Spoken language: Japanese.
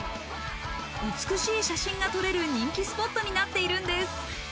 美しい写真が撮れる人気スポットになっているんです。